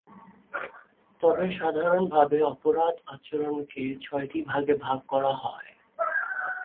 তবে সাধারণভাবে অপরাধ আচরণকে ছয়টি ভাগে ভাগ করা হয়।